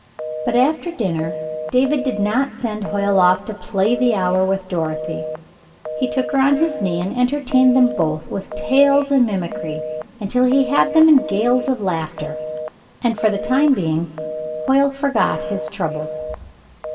But after dinner, David did not send Hoyle off to play the hour with Dorothy. He took her on his knee and entertained them both with tales and mimicry until he had them in gales of laughter, and for the time being Hoyle forgot his troubles.